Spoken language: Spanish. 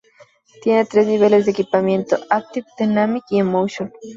Tiene tres niveles de equipamiento: Active, Dynamic y Emotion.